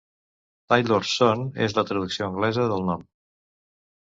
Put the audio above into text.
"Tailor's Son" és la traducció anglesa del nom.